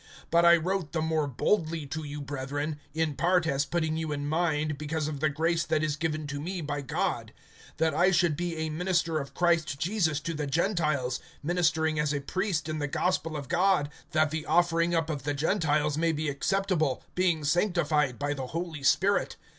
(15)But I wrote the more boldly to you, brethren, in part as putting you in mind, because of the grace that is given to me by God; (16)that I should be a minister of Christ Jesus to the Gentiles, ministering as a priest in the gospel of God, that the offering up of the Gentiles may be acceptable, being sanctified by the Holy Spirit.